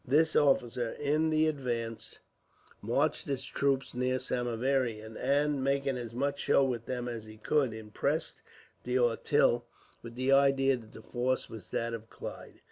This officer, in the advance, marched his troops near Samieaveram; and, making as much show with them as he could, impressed D'Auteuil with the idea that the force was that of Clive.